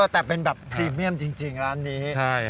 แต่เป็นแบบพรีเมียมจริงร้านนี้